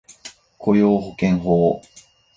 雇用保険法